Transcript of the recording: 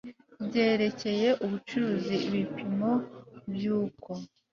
byerekeye ubucuruzi ibipimo by uko